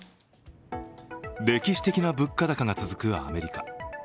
歴史的な物価高が続くアメリカ。